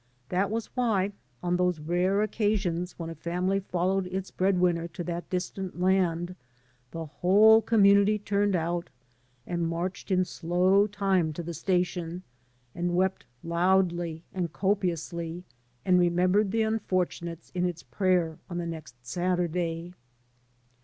That was why, on those rare occasions when a family followed its breadwinner to that distant land, the whole com munity turned out, and marched in slow time to the station, and wept loudly and copiously, and remembered the unfortunates in its prayer on the nert Saturday.